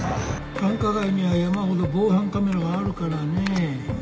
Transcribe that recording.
繁華街には山ほど防犯カメラがあるからねえ。